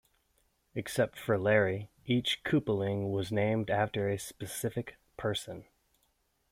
Except for Larry, each Koopaling was named after a specific person.